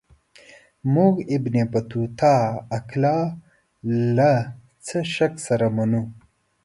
موږ ابن بطوطه اقلا له څه شک سره منو.